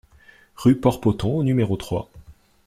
Rue Port Poton au numéro trois